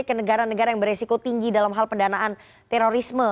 ke negara negara yang beresiko tinggi dalam hal pendanaan terorisme